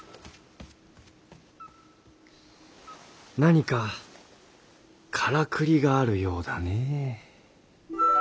何かからくりがあるようだねえ。